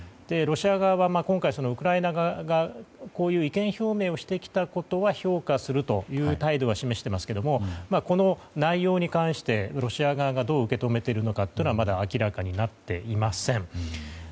ロシア側は今回、ウクライナ側がこういう意見表明をしてきたことは評価するという態度は示していますけれどもこの内容に関して、ロシア側がどう受け止めているのかというのはまだ明らかになっていません。